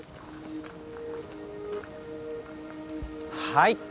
はい。